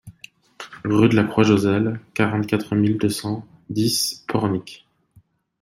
Rue de la Croix Joselle, quarante-quatre mille deux cent dix Pornic